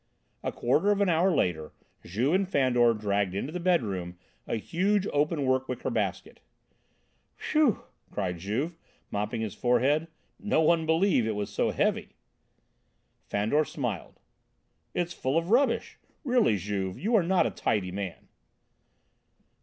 A quarter of an hour later Juve and Fandor dragged into the bedroom a huge open work wicker basket. "Whew!" cried Juve, mopping his forehead, "no one would believe it was so heavy." Fandor smiled. "It's full of rubbish. Really, Juve, you are not a tidy man!"